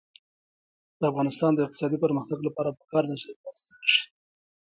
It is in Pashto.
د افغانستان د اقتصادي پرمختګ لپاره پکار ده چې ریاضي زده شي.